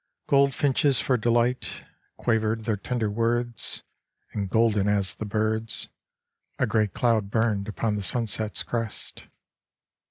Goldfinches for delight Quavered their tender words, And golden as the birds A great cloud burned upon the sunset's crest.